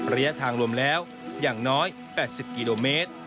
ระยะทางรวมแล้วอย่างน้อย๘๐กิโลเมตร